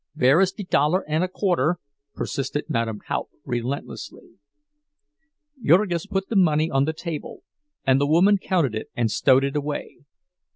"Vere is de dollar und a quarter?" persisted Madame Haupt, relentlessly. Jurgis put the money on the table and the woman counted it and stowed it away.